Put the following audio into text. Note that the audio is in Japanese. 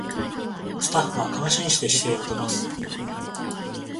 スタッフは感心して姿勢を正す